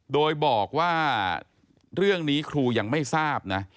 โดยบอกว่าเรื่องนี้ครูยังไม่ทราบนะ